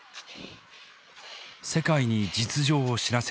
「世界に実情を知らせたい」。